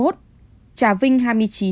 trà vinh hai mươi chín